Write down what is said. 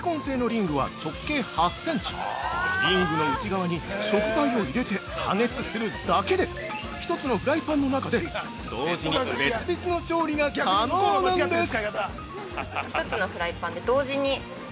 リングの内側に食材を入れて加熱するだけで、１つのフライパンの中で同時に別々の調理が可能なんです。